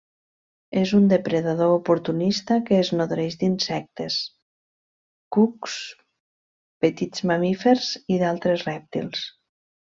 És un depredador oportunista que es nodreix d'insectes, cucs, petits mamífers i d'altres rèptils.